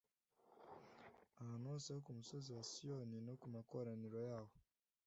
ahantu hose ho ku musozi wa Siyoni no ku makoraniro yaho,